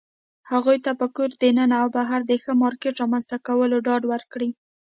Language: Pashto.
هغوى ته په کور دننه او بهر د ښه مارکيټ رامنځته کولو ډاډ ورکړى